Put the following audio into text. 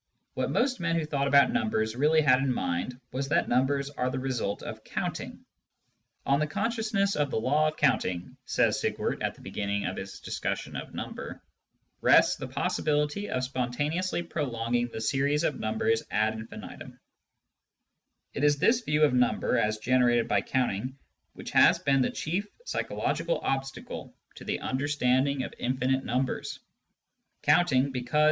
What most men who thought about numbers really had in mind was that numbers are the result of counting. " On the consciousness of the law of counting," says Sigwart Digitized by Google 1 88 SCIENTIFIC METHOD IN PHILOSOPHY at the beginning of his discussion of number, "rests the possibility of spontaneously prolonging the series of numbers ad infinitum'^ It is this view of number as generated by counting which has been the chief psychological obstacle to the understanding of infinite numbers. Counting, because.